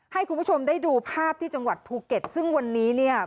ให้คุณผู้ชมได้ดูภาพที่จังหวัดภูเก็ตซึ่งวันนี้เนี่ย